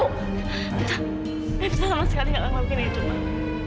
evita evita sama sekali nggak mungkin itu mama